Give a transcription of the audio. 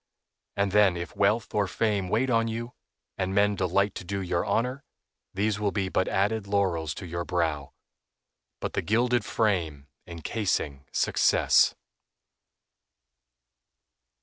And then if wealth or fame wait on you, and men delight to do you honor, these will be but added laurels to your brow, but the gilded frame encasing success.